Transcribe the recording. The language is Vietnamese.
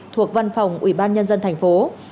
thuộc văn phòng ủy ban nhân dân tp hcm